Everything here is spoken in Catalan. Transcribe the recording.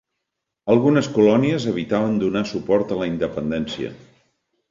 Algunes colònies evitaven donar suport a la independència.